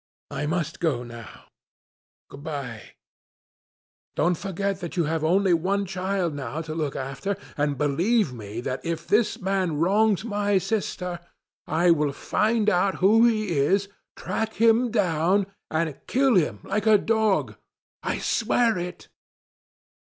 I must go now. Good bye. Don't forget that you will have only one child now to look after, and believe me that if this man wrongs my sister, I will find out who he is, track him down, and kill him like a dog. I swear it."